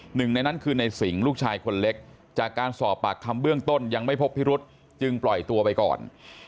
หนึ่งในนั้นคือในสิงห์ลูกชายคนเล็กจากการสอบปากคำเบื้องต้นยังไม่พบพิรุษจึงปล่อยตัวไปก่อน